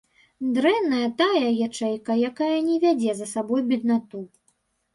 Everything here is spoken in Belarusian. Дрэнная тая ячэйка, якая не вядзе за сабой беднату.